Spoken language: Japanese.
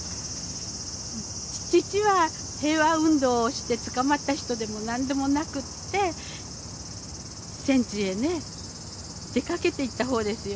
父は平和運動をして捕まった人でも何でもなくて戦地へね出かけていった方ですよね。